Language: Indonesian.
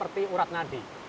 arti urat nadi